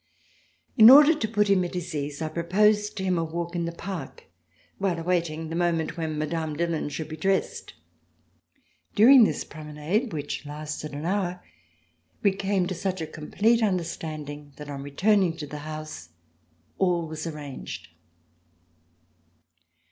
In order to put him at his ease, I proposed to him a walk in the park while awaiting the moment when Mme. Dillon should be dressed. During this promenade which lasted an hour, we came to such a complete understanding that on returning to the house all was arranged.